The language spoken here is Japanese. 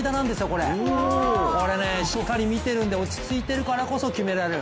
これね、しっかり見てるんで落ちついてるからこそ決められる。